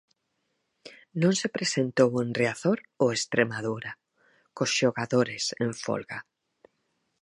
Non se presentou en Riazor o Estremadura, cos xogadores en folga.